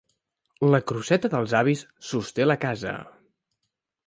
La crosseta dels avis sosté la casa.